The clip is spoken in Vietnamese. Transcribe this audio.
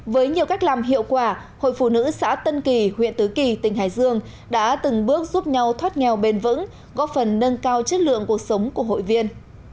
với nhiều cách làm hiệu quả hội phụ nữ xã tân kỳ huyện tứ kỳ tỉnh hải dương đã từng bước giúp nhau thoát nghèo bền vững góp phần nâng cao chất lượng cuộc sống của hội viên